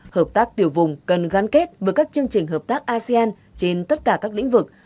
hợp tác tiểu vùng cần gắn kết với các chương trình hợp tác asean trên tất cả các lĩnh vực